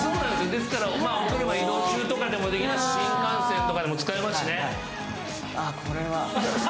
ですからお車移動中とかでもできますし、新幹線とかでも使えますしね。